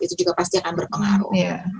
itu juga pasti akan berpengaruh